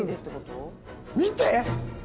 見て！